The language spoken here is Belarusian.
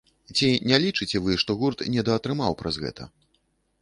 Ці не лічыце вы, што гурт недаатрымаў праз гэта?